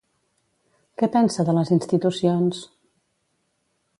Què pensa de les institucions?